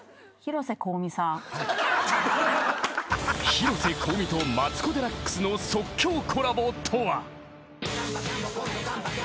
［広瀬香美とマツコ・デラックスの即興コラボとは？］